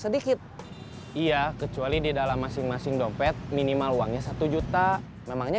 sedikit iya kecuali di dalam masing masing dompet minimal uangnya satu juta memangnya